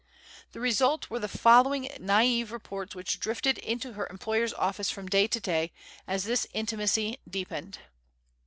The result were the following naive reports which drifted into her employer's office from day to day, as this intimacy deepened.